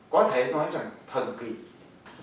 có thể nói rằng thần kỳ